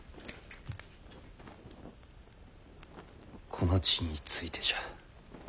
この地についてじゃ。